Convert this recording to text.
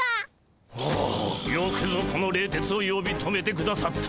おおよくぞこの冷徹を呼び止めてくださった。